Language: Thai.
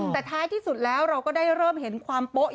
แต่ท้ายที่สุดแล้วเราก็ได้เริ่มเห็นความโป๊ะ